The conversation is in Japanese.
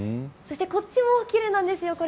こっちもきれいなんですよ。